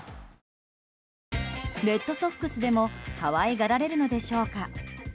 レッドソックスでも可愛がられるのでしょうか。